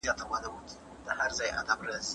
تېر حکومت له ټولنيزو ځواکونو سره ښې اړيکې لرلې.